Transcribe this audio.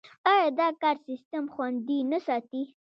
آیا دا کار سیستم خوندي نه ساتي؟